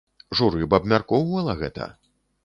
Журы б абмяркоўвала гэта.